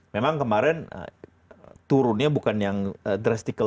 memang kemarin turunnya bukan yang drastik banget